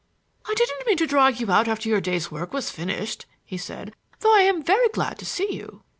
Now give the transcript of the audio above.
"I didn't mean to drag you out after your day's work was finished," he said, "though I am very glad to see you."